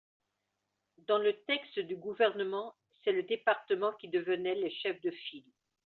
Dans le texte du Gouvernement, c’est le département qui devenait le chef de file.